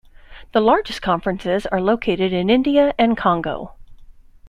The largest conferences are located in India and Congo.